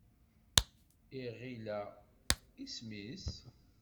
Iɣil-a, isem-is?